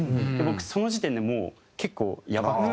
僕その時点でもう結構やばくて。